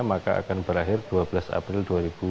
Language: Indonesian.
maka akan berakhir dua belas april dua ribu dua puluh